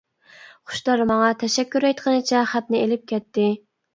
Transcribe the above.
خۇشتار ماڭا تەشەككۈر ئېيتقىنىچە خەتنى ئېلىپ كەتتى.